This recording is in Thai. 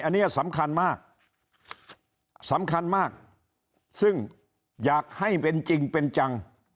อันนี้สำคัญมากสำคัญมากซึ่งอยากให้เป็นจริงเป็นจัง